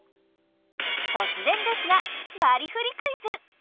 突然ですがバリフリクイズ！